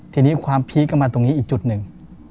ทีนี้ความพีคก็มาตรงนี้อีกจุดหนึ่ง